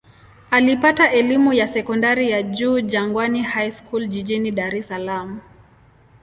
Alipata elimu ya sekondari ya juu Jangwani High School jijini Dar es Salaam.